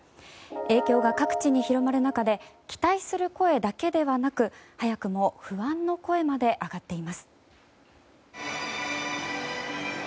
影響が各地に広がる中で期待する声だけではなく、早くも不安の声まで上がっています。